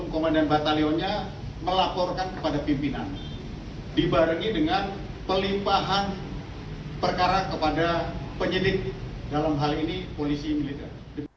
kepada pimpinan dibarengi dengan pelimpahan perkara kepada penyidik dalam hal ini polisi militer